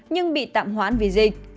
nhưng bị tạm hoãn vì dịch